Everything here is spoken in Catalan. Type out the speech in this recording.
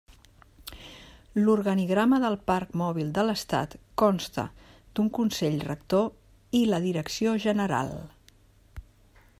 L'organigrama del Parc Mòbil de l'Estat consta d'un Consell Rector i la Direcció general.